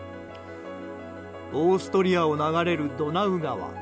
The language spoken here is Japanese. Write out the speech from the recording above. オーストリアを流れるドナウ川。